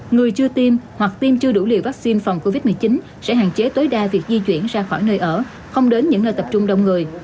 người chưa tiêm hoặc tiêm chưa đủ liều vaccine phòng covid một mươi chín sẽ hạn chế tối đa việc di chuyển ra khỏi nơi ở không đến những nơi tập trung đông người